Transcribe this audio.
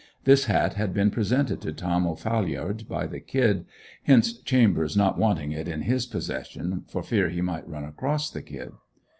This hat had been presented to Tom O'Phalliard by the "Kid," hence Chambers not wanting it in his possession for fear he might run across the "Kid."